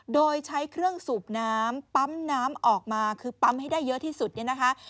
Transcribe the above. โดยใช้เครื่องสูบน้ำปั๊มน้ำออกมาคือปั๊มให้ได้เยอะที่สุดเนี่ยนะคะ